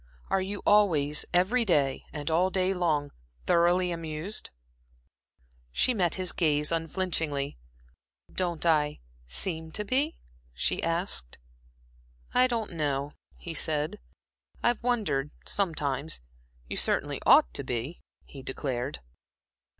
Are you always, every day and all day long, thoroughly amused?" She met his gaze unflinchingly. "Don't I seem to be?" she asked. "I don't know," he said. "I've wondered sometimes. You certainly ought to be," he declared.